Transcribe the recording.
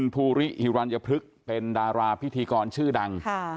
ภูริฮิรัญพฤกษ์เป็นดาราพิธีกรชื่อดัง